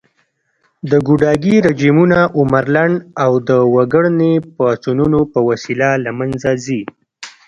د ګوډاګي رژيمونه عمر لنډ او د وګړني پاڅونونو په وسیله له منځه ځي